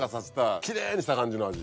きれいにした感じの味。